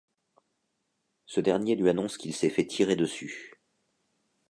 Ce dernier lui annonce qu'il s'est fait tirer dessus.